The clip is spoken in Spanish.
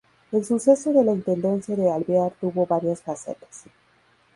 El suceso de la intendencia de Alvear tuvo varias facetas.